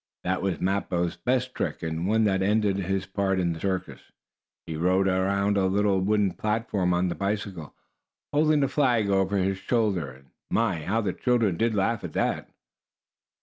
That was Mappo's best trick, and one that ended his part of the circus. He rode around a little wooden platform on the bicycle, holding a flag over his shoulder, and my! how the children did laugh at that.